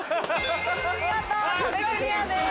見事壁クリアです。